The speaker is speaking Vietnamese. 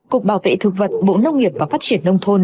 cục bảo vệ thực vật bộ nông nghiệp và phát triển nông thôn